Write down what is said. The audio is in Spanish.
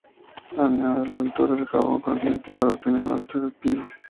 Añada la altura del jalón al cociente para obtener la altura del pino.